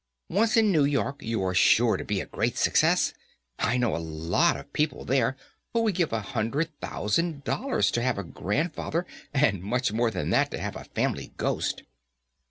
Once in New York, you are sure to be a great success. I know lots of people there who would give a hundred thousand dollars to have a grandfather, and much more than that to have a family ghost."